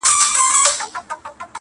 د هغې شګې په شان چې په صحرا کې یې